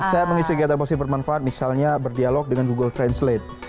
saya mengisi kegiatan positif bermanfaat misalnya berdialog dengan google translate